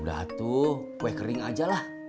udah atuh kue kering aja lah